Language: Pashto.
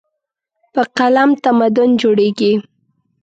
په قلم تمدن جوړېږي.